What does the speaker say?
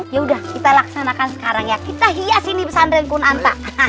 ya udah kita laksanakan sekarang ya kita hias ini pesantren kunanta